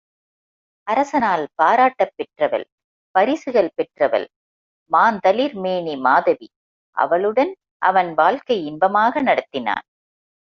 அரசனால் பாராட்டப் பெற்றவள் பரிசுகள் பெற்றவள் மாந்தளிர் மேனி மாதவி அவளுடன் அவன் வாழ்க்கை இன்பமாக நடத்தினான்.